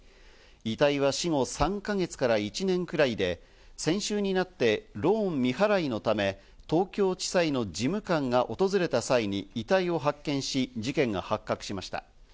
遺体は死後３か月から１年くらいで、先週になってローン未払いのため東京地裁の事務官が訪れた際に遺体を発見し、事件が発覚しました。